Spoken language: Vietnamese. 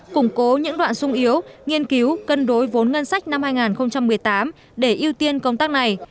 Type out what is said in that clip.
củng cố những đoạn sung yếu nghiên cứu cân đối vốn ngân sách năm hai nghìn một mươi tám để ưu tiên công tác này